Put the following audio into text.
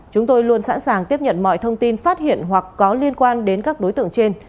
chúng tôi luôn sẵn sàng tiếp nhận mọi thông tin phát hiện hoặc có liên quan đến các đối tượng trên